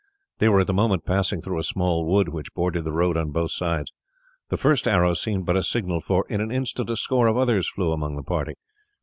They were at the moment passing through a small wood which bordered the road on both sides. The first arrow seemed but a signal, for in an instant a score of others flew among the party.